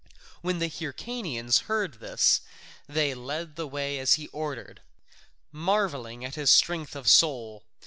When the Hyrcanians heard this they led the way as he ordered, marvelling at his strength of soul.